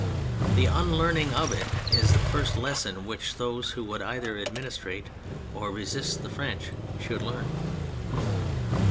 The unlearning of it is the first lesson which those who would either administrate or resist the French should learn.